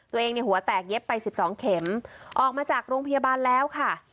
ในหัวแตกเย็บไป๑๒เข็มออกมาจากโรงพยาบาลแล้วค่ะ